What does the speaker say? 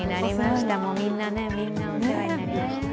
みんなお世話になりました。